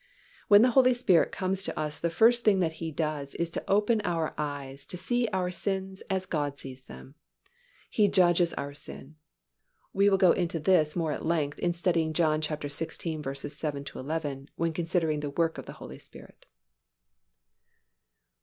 When the Holy Spirit comes to us the first thing that He does is to open our eyes to see our sins as God sees them. He judges our sin. (We will go into this more at length in studying John xvi. 7 11 when considering the work of the Holy Spirit.)